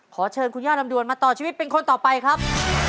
ขอเชิญคุณย่าลำดวนมาต่อชีวิตเป็นคนต่อไปครับ